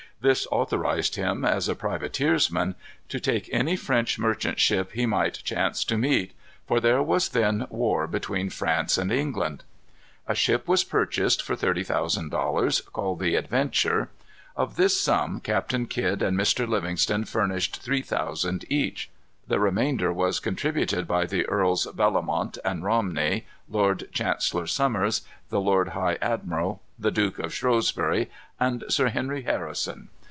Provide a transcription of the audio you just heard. This authorized him, as a privateersman, to take any French merchant ships he might chance to meet; for there was then war between France and England. A ship was purchased, for thirty thousand dollars, called the Adventure. Of this sum, Captain Kidd and Mr. Livingston furnished three thousand each. The remainder was contributed by the Earls Bellomont and Romney, Lord Chancellor Somers, the Lord High Admiral, the Duke of Shrewsbury, and Sir Henry Harrison.